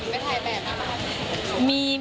ไปถ่ายแบบอะไรครับ